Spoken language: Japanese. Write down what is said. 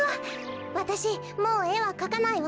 わたしもうえはかかないわ。